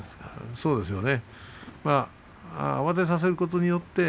そうなんですよね。